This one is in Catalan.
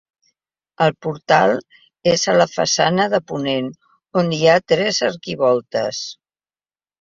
El portal és a la façana de ponent on hi ha tres arquivoltes.